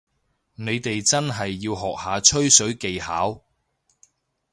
你哋真係要學下吹水技巧